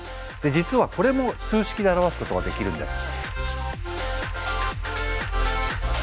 実はこれも数式で表すことができるんです。